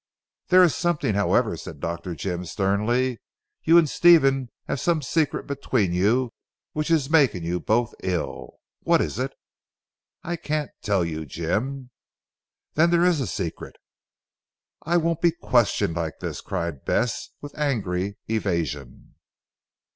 "There is something however," said Dr. Jim sternly, "you and Stephen have some secret between you which is making you both ill. What is it?" "I can't tell you Jim." "Then there is a secret?" "I won't be questioned like this!" cried Bess with angry evasion.